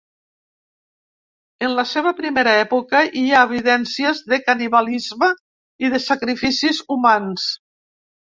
En la seva primera època hi ha evidències de canibalisme i de sacrificis humans.